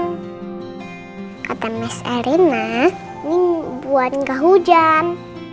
kata mas erina ini buat nggak hujan